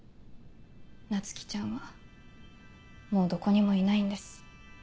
菜月ちゃんはもうどこにもいないんです。